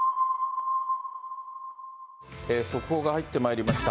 速報が入ってまいりました。